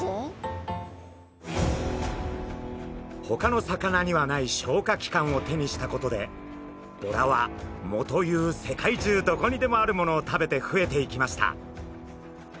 ほかの魚にはない消化器官を手にしたことでボラは藻という世界中どこにでもあるものを食べて増えていきました。